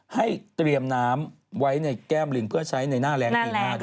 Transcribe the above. ให้เตรียมน้ำไว้ในแก้มลิงเพื่อใช้ในหน้าแรงปีหน้าด้วย